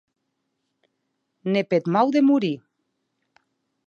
Ne peth mau de morir!